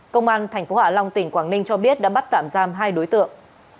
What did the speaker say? công an tp hạ long tỉnh quảng ninh cho biết đã bắt tạm giam hai đối tượng